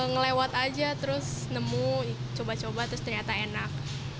ngelewat aja terus nemu coba coba terus ternyata enak